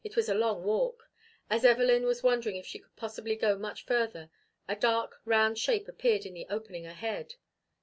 It was a long walk. As Evelyn was wondering if she could possibly go much further, a dark, round shape appeared in the opening ahead.